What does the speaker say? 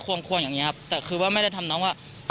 ควรควรอย่างนี้ครับแต่คือว่าไม่ได้ทำน้องว่า